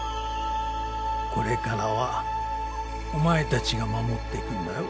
これからはお前たちが守っていくんだよ。